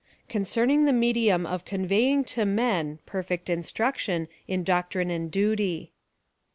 CONCERNING THE MEDIUM OP CONVEYING TO MEN, PERFECT INSTRUCTION IN DOCTRINE AND DUTY.